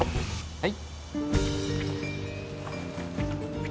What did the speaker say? はい。